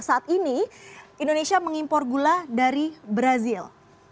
saat ini indonesia mengimpor gula dari brazil